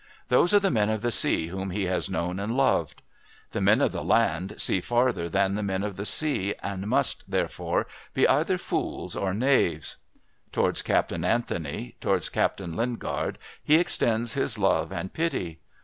Those are the men of the sea whom he has known and loved. The men of the land see farther than the men of the sea and must, therefore, be either fools or knaves. Towards Captain Anthony, towards Captain Lingard he extends his love and pity.